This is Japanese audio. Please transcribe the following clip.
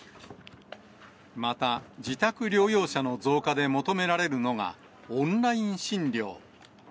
また、自宅療養者の増加で求められるのが、オンライン診療。